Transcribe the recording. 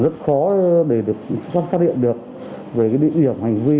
rất khó để được phát hiện được về địa điểm hành vi